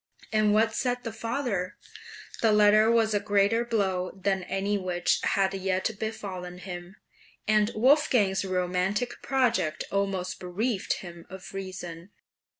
And what said the father? This letter was a greater blow than any which had yet befallen him, and Wolfgang's romantic project almost bereft him of reason.